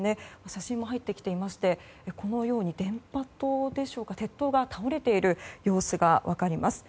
写真も入ってきていましてこのように電波塔、鉄塔が倒れている様子が分かります。